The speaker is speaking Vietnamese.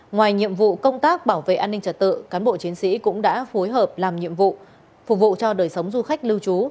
ngoài nhiệm vụ công tác bảo vệ an ninh trật tự cán bộ chiến sĩ cũng đã phối hợp làm nhiệm vụ phục vụ cho đời sống du khách lưu trú